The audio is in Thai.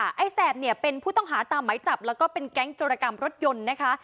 ไอ้แสบเนี่ยเป็นผู้ต้องหาตามไหมจับแล้วก็เป็นแก๊งโจรกรรมรถยนต์นะคะ